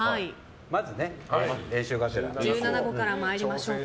１７個から参りましょうか。